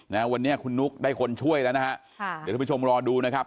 นะวันนี้คุณนุ๊กได้คนช่วยแล้วนะฮะค่ะเดี๋ยวท่านผู้ชมรอดูนะครับ